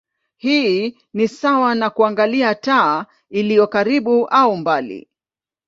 Hii ni sawa na kuangalia taa iliyo karibu au mbali.